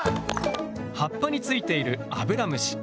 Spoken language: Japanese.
葉っぱについているアブラムシ。